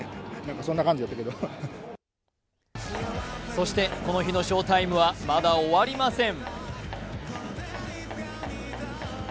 そしてこの日の翔タイムはまだ終わりません。